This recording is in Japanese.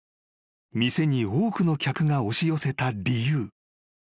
［店に多くの客が押し寄せた理由。